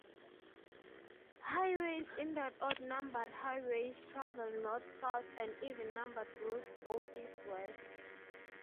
Highways in that odd numbered highways travel north-south and even numbered routes go east-west.